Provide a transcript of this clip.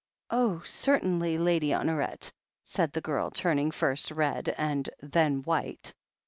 ..." "Oh, certainly. Lady Honoret," said the girl, turning first red and then white.